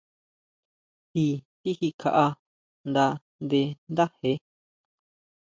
Ti tijikjaʼá nda nde ndáje.